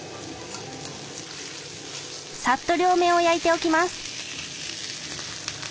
さっと両面を焼いておきます。